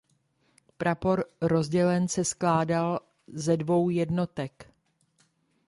Prapor rozdělen se skládal ze dvou jednotek.